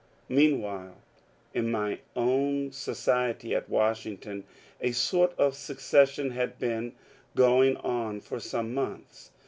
Meanwhile in my own society at Washington a sort of secession had been going on for some months.